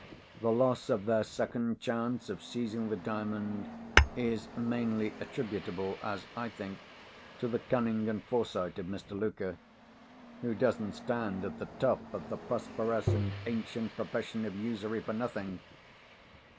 The loss of their second chance of seizing the Diamond is mainly attributable, as I think, to the cunning and foresight of Mr. Luker—who doesn't stand at the top of the prosperous and ancient profession of usury for nothing!